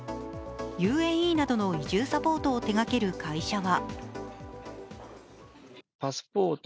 ＵＡＥなどの移住サポートを手がける会社は。